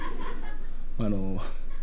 あの。